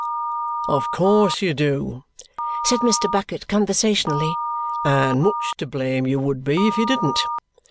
"Of course you do," said Mr. Bucket conversationally, "and much to blame you would be if you didn't.